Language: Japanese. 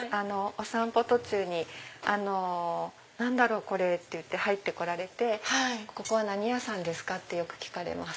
お散歩途中に何だろう？って入って来られてここは何屋さんですか？ってよく聞かれます。